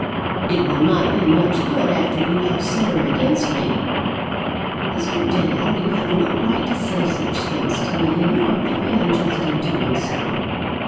"It will not be much good after you have set her against me." "Mr. Dale, you have no right to say such things to me, and you are very unjust in doing so.